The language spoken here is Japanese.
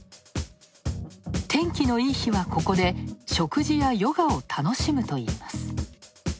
天気のいい日は、ここで食事やヨガを楽しむといいます。